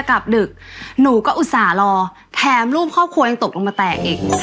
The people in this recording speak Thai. กลับดึกหนูก็อุตส่าห์รอแถมรูปครอบครัวยังตกลงมาแตกอีก